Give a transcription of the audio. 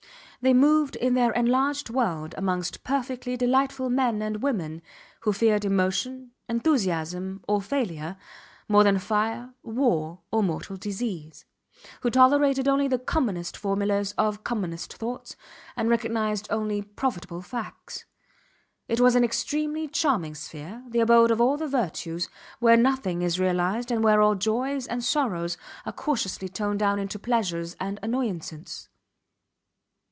They moved in their enlarged world amongst perfectly delightful men and women who feared emotion, enthusiasm, or failure, more than fire, war, or mortal disease; who tolerated only the commonest formulas of commonest thoughts, and recognized only profitable facts. It was an extremely charming sphere, the abode of all the virtues, where nothing is realized and where all joys and sorrows are cautiously toned down into pleasures and annoyances.